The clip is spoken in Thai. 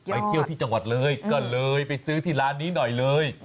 ไปเที่ยวที่จังหวัดเลยก็เลยไปซื้อที่ร้านนี้หน่อยเลย